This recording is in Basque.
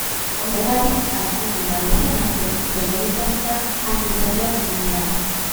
Horregatik, batzuen eta besteen arteko desberdintasunak argi izatea komeni da.